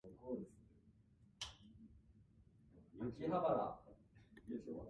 重岡大毅